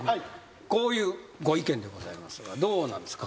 こういうご意見でございますがどうなんですか？